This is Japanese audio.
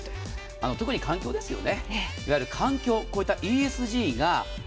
特に環境ですよね。